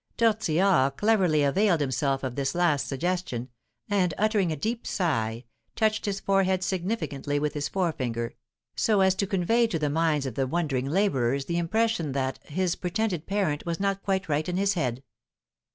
Tortillard cleverly availed himself of this last suggestion, and, uttering a deep sigh, touched his forehead significantly with his forefinger, so as to convey to the minds of the wondering labourers the impression that his pretended parent was not quite right in his head.